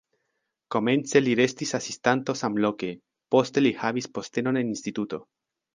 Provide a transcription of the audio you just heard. Komence li restis asistanto samloke, poste li havis postenon en instituto.